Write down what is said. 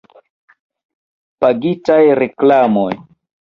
Pagitaj reklamoj.